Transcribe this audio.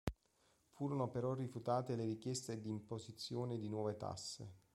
Furono però rifiutate le richieste d'imposizione di nuove tasse.